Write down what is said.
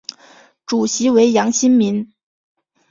主席为杨新民。